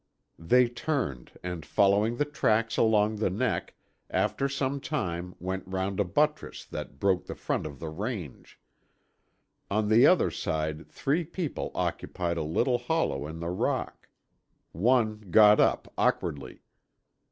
They turned and, following the tracks along the neck, after some time went round a buttress that broke the front of the range. On the other side three people occupied a little hollow in the rock. One got up awkwardly.